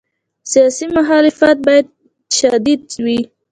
سیاسي مخالفت باید شدید وي.